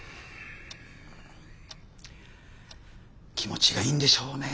気持ちがいいんでしょうね